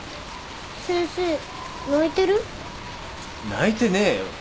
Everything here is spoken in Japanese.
泣いてねえよ。